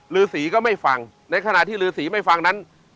ฤษีก็ไม่ฟังในขณะที่ฤษีไม่ฟังนั้น